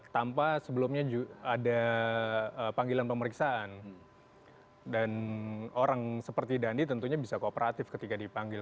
tanpa sebelumnya ada panggilan pemeriksaan